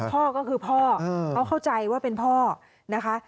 พ่อก็คือพ่อเขาเข้าใจว่าเป็นพ่อนะคะ